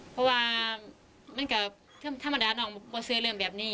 เพราะว่ามันก็ธรรมดาน้องไม่เคยเชื่อเรื่องแบบนี้